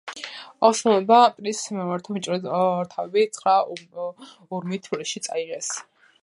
ოსმალებმა მტრის მეომართა მოჭრილი თავები ცხრა ურმით თბილისში წაიღეს.